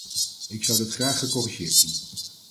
Ik zou dat graag gecorrigeerd zien.